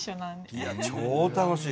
いや超楽しい。